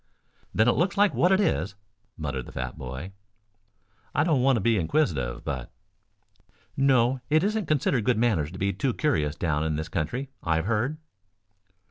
"Then it looks like what it is," muttered the fat boy. "I don't want to be inquisitive, but " "No, it isn't considered good manners to be too curious down in this country, I've heard."